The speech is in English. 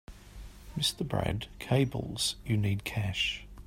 Mr. Brad cables you need cash.